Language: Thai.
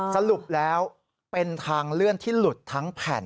สรุปแล้วเป็นทางเลื่อนที่หลุดทั้งแผ่น